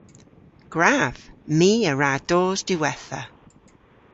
Gwrav! My a wra dos diwettha.